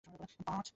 পাঁচ